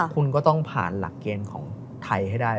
คุณก็ต้องผ่านหลักเกณฑ์ของไทยให้ได้